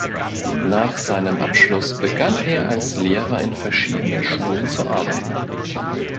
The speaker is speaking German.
Nach seinem Abschluss begann er als Lehrer in verschiedenen Schulen zu arbeiten.